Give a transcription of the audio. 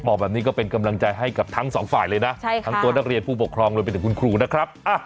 บอกแบบนี้ก็เป็นกำลังใจให้กับทั้งสองฝ่ายเลยนะทั้งตัวนักเรียนผู้ปกครองรวมไปถึงคุณครูนะครับ